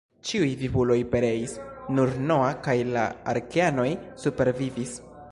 Ĉiuj vivuloj pereis, nur Noa kaj la arkeanoj supervivis.